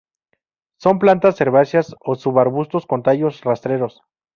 Son plantas herbáceas o subarbustos con tallos rastreros.